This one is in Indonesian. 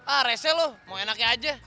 ah rese lo mau enaknya aja